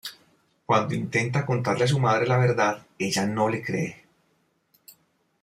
Cuando intenta contarle a su madre la verdad ella no le cree.